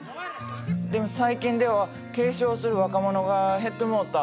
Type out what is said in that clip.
でも最近では継承する若者が減ってもうた。